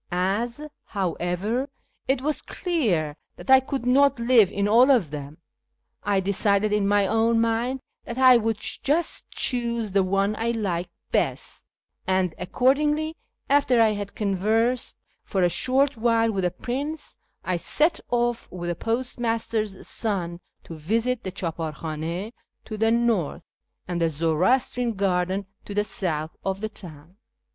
As, however, it was clear that I could not live in all of them, I decided in my own mind that I would just choose the one I liked best ; and accordingly, after I had conversed for a short while with the prince, I set off with the postmaster's son to visit the clKqjAr khdnd to the north, and the Zoroastrian garden to the south, of the town.